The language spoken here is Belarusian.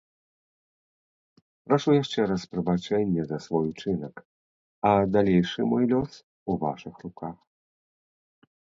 Прашу яшчэ раз прабачэння за свой учынак, а далейшы мой лёс у вашых руках.